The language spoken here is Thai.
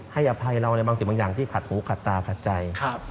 อภัยเราในบางสิ่งบางอย่างที่ขัดหูขัดตาขัดใจ